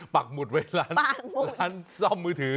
ปักหมุดไว้ร้านซ่อมมือถือ